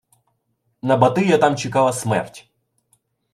На Батия там чекала смерть